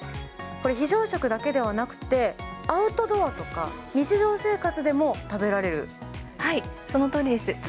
これ、非常食だけではなくて、アウトドアとか日常生活でも食べそのとおりです。